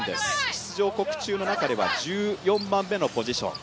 出場国中の中では１４番目のポジション。